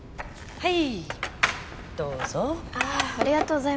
はい。